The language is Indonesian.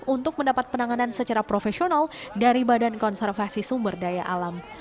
untuk mendapat penanganan secara profesional dari badan konservasi sumber daya alam